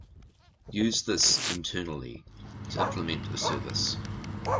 Use this internally to implement a service.